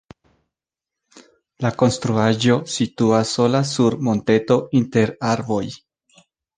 La konstruaĵo situas sola sur monteto inter arboj.